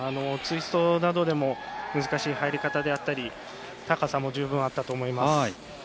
ツイストなどでも難しい入り方であったり高さも十分あったと思います。